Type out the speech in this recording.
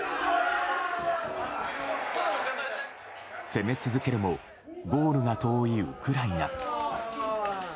攻め続けるもゴールが遠いウクライナ。